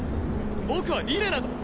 僕はリレナ